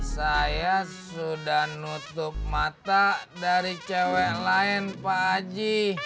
saya sudah nutup mata dari cewek lain pak aji